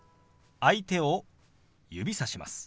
相手を指さします。